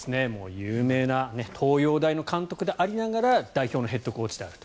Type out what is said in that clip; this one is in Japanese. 有名な東洋大の監督でありながら代表のヘッドコーチであると。